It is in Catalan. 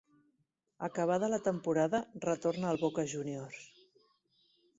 Acabada la temporada, retorna al Boca Juniors.